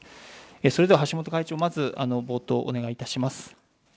それでは橋本会長、まずは冒頭、お願いいたします。